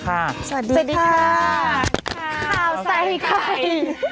ข่าวใสให้ใคร